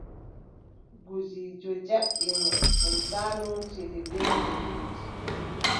Gudiijo jaɓɓi mo, ɗum saanootiri bee gudiijo.